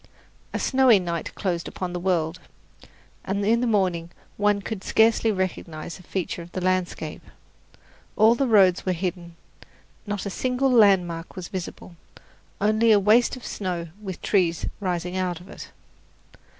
A snowy night closed upon the world, and in the morning one could scarcely recognize a feature of the landscape. All the roads were hidden, not a single landmark was visible, only a waste of snow with trees rising out of it.